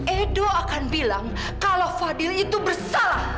edo akan bilang kalau fadil itu bersalah